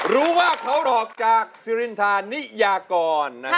รู้ว่าเขาหลอกจากสิรินทานิยากร